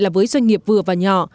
với doanh nghiệp vừa và nhỏ